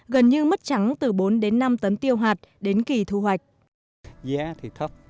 gần như mất trắng từ bốn đến năm tấn tiêu hạt đến kỳ thu hoạch